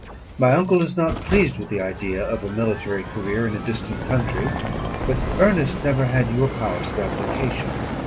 My uncle is not pleased with the idea of a military career in a distant country; but Ernest never had your powers of application.